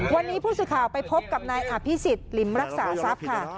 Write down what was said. วันนี้พูดสิทธิ์ข่าวไปพบกับนายอภิสิทธิ์ริมรักษาทรัพย์ค่ะ